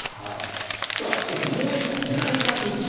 そしてもう１個、内角打ち。